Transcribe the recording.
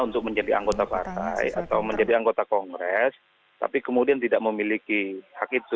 untuk menjadi anggota partai atau menjadi anggota kongres tapi kemudian tidak memiliki hak itu